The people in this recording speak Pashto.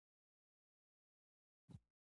آیا د پښتنو په کلتور کې د خپلوۍ پالل مهم نه دي؟